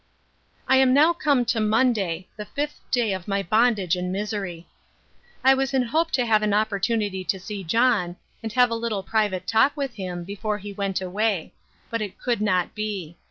I am now come to MONDAY, the 5th Day of my Bondage and Misery. I was in hope to have an opportunity to see John, and have a little private talk with him, before he went away; but it could not be.